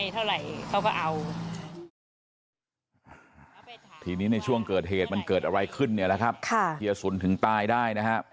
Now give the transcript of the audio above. ทีนี้ในช่วงเกิดเหตุมันเกิดอะไรขึ้นเนี่ยแหละครับเฮียสุนถึงตายได้นะครับ